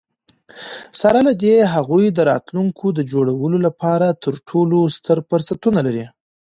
سره له دي، هغوی د راتلونکي د جوړولو لپاره تر ټولو ستر فرصتونه لري.